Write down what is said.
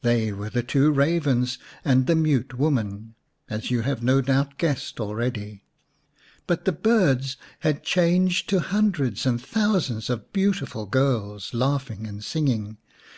They were the two ravens and the Mute Woman, as you have no doubt guessed already. But the birds had changed to hundreds and thousands of beautiful girls, laughing and singing.